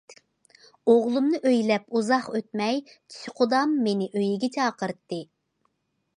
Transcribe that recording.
ئوغلۇمنى ئۆيلەپ ئۇزاق ئۆتمەي چىشى قۇدام مېنى ئۆيىگە چاقىرتتى.